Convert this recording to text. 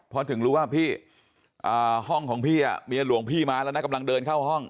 พอถึงรู้ว่าพี่ห้องของพี่เมียหลวงพี่มาแล้วนะกำลังเดินเข้าห้อง